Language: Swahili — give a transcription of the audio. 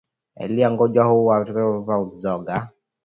Dalili ya ugonjwa huu katika wanyama waliokufa au mizoga